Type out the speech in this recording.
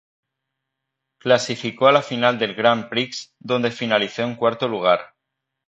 Clasificó a la Final del Grand Prix, donde finalizó en cuarto lugar.